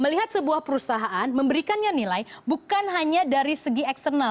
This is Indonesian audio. melihat sebuah perusahaan memberikannya nilai bukan hanya dari segi eksternal